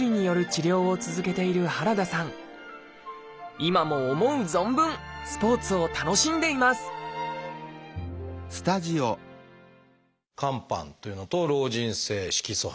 今も思う存分スポーツを楽しんでいます肝斑というのと老人性色素斑。